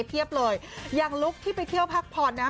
เทียบเลยอย่างลุคที่ไปเที่ยวพักพอร์ตนะครับ